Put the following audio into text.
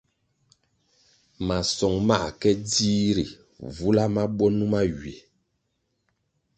Masong mā ke dzih, ri vula mabwo numa ywiè.